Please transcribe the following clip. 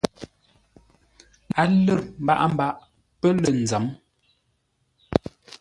A lər mbaʼa-mbaʼ pə́ lə̂ nzə̌m.